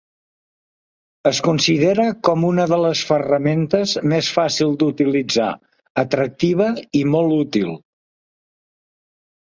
Es considera com una de les ferramentes més fàcil d’utilitzar, atractiva i molt útil.